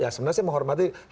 ya sebenarnya saya menghormati